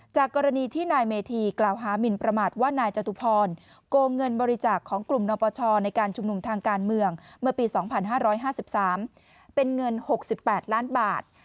กรณีที่นายเมธีกล่าวหามินประมาทว่านายจตุพรโกงเงินบริจาคของกลุ่มนปชในการชุมนุมทางการเมืองเมื่อปี๒๕๕๓เป็นเงิน๖๘ล้านบาท